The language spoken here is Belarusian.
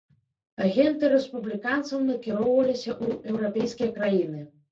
Агенты рэспубліканцаў накіроўваліся ў еўрапейскія краіны.